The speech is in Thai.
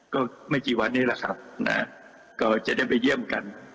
ก็ไม่กี่วันนี้แหละครับนะฮะก็จะได้ไปเยี่ยมกัน